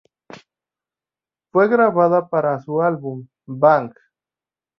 Fue grabada para su álbum "¡Bang!